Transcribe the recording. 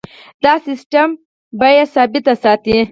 دا سیستم بیې ثابت ساتي.